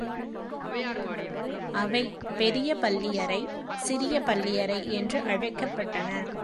அவை பெரிய, பள்ளி யறை, சிறிய பள்ளியறை என்று அழைக்கப்பட்டன.